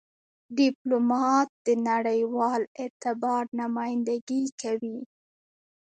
ډيپلومات د نړېوال اعتبار نمایندګي کوي.